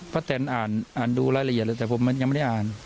แตนอ่านดูรายละเอียดเลยแต่ผมยังไม่ได้อ่าน